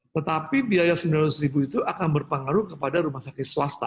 tetapi biaya rp sembilan ratus itu akan berpengaruh kepada rumah sakit swasta